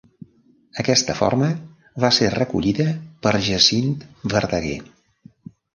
Aquesta forma va ser recollida per Jacint Verdaguer.